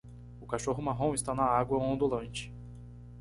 O cachorro marrom está na água ondulante.